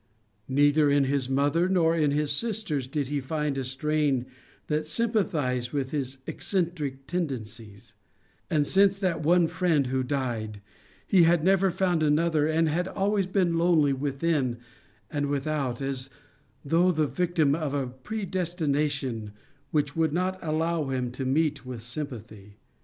Neither in his mother nor in his sisters did he find a strain that sympathized with his eccentric tendencies; and, since that one friend who died, he had never found another and had always been lonely within and without, as though the victim of a predestination which would not allow him to meet with sympathy.